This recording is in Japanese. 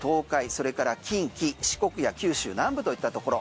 それから近畿四国や九州南部といったところ。